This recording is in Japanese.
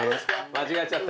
間違えちゃった。